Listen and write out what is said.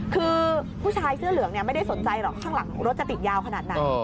คือผู้ชายเสื้อเหลืองไม่ได้สนใจหรอกข้างหลังของรถจะติดยาวขนาดไหน